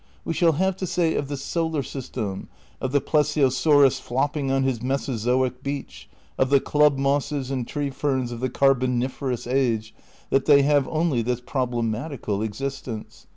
We shall have to say of the solar system, of the ple siosaurus flopping on his mesozoio beach, of the club mosses and tree ferns of the carboniferous age that they have only this problematical existence.